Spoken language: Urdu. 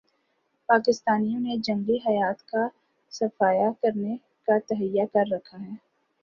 پاکستانیوں نے جنگلی حیات کا صفایا کرنے کا تہیہ کر رکھا ہے